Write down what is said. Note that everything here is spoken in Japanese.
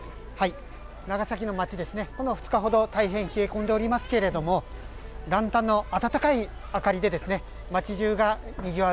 長崎の街ですね、この２日ほど、大変冷え込んでおりますけれども、ランタンのあたたかい明かりでですね、街じゅうがにぎわう